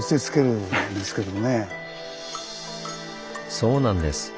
そうなんです。